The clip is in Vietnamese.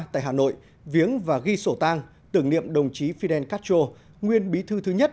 tại hà nội viếng và ghi sổ tang tưởng niệm đồng chí fidel castro nguyên bí thư thứ nhất